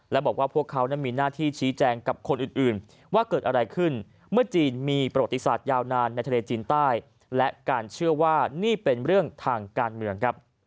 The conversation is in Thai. และบอกว่าพวกเขานั้นมีหน้าที่ชี้แจงกับคนอื่นว่าเกิดอะไรขึ้นเมื่อจีนมีประวัติศาสตร์ยาวนานในทะเลจีนใต้และการเชื่อว่านี่เป็นเรื่องทางการเมืองครับ